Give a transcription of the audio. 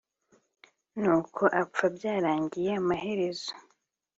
nuko apfa; byarangiye amaherezo;